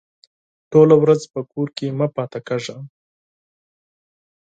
ټوله ورځ په کور کې مه پاته کېږه!